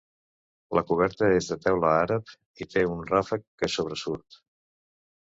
La coberta és de teula àrab i té un ràfec que sobresurt.